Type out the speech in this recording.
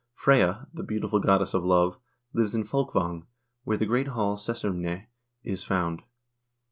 Freyja, the beautiful goddess of love, lives in Folkvang, where the great hall Sessrymne is found.